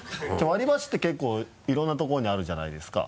割り箸って結構いろんな所にあるじゃないですか。